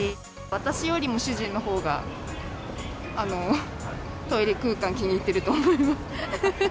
私よりも主人のほうが、トイレ空間、気に入っていると思います。